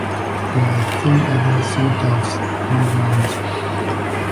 There are three other cenotaphs in the grounds.